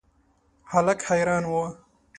هلک حیران و.